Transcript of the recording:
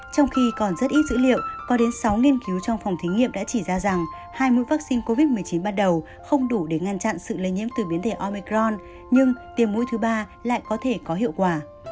trong khi còn rất ít dữ liệu có đến sáu nghiên cứu trong phòng thí nghiệm đã chỉ ra rằng hai mũi vaccine covid một mươi chín ban đầu không đủ để ngăn chặn sự lây nhiễm từ biến thể omicron nhưng tiềm mũi thứ ba lại có thể có hiệu quả